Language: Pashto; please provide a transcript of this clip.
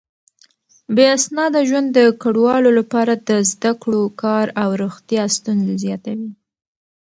بې اسناده ژوند د کډوالو لپاره د زده کړو، کار او روغتيا ستونزې زياتوي.